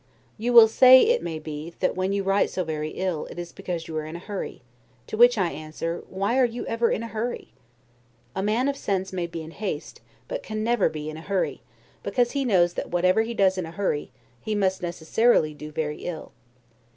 You will say, it may be, that when you write so very ill, it is because you are in a hurry, to which I answer, Why are you ever in a hurry? A man of sense may be in haste, but can never be in a hurry, because he knows that whatever he does in a hurry, he must necessarily do very ill.